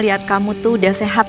aku mau berjalan